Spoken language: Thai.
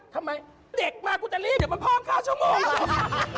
ทำไมเด็กมากูจะรีบเดี๋ยวมันพ่อข้าวชั่วโมง